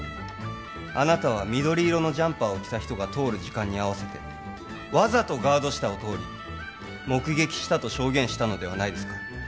あなたは緑色のジャンパーを着た人が通る時間に合わせてわざとガード下を通り目撃したと証言したのではないですか？